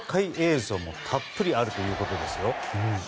浅尾さん、未公開映像もたっぷりあるということですよ。